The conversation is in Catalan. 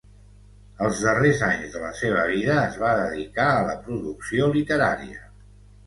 Els darrers anys de la seva vida es va dedicar a la producció literària.